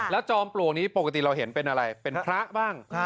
จอมปลวกนี้ปกติเราเห็นเป็นอะไรเป็นพระบ้าง